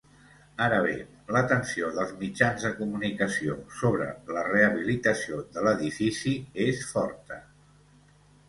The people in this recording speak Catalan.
Ara bé l'atenció dels mitjans de comunicació sobre la rehabilitació de l'edifici és forta.